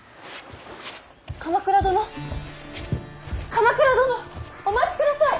鎌倉殿！お待ちください！